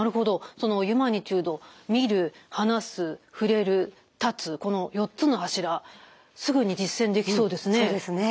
そのユマニチュード見る話す触れる立つこの４つの柱すぐに実践できそうですね。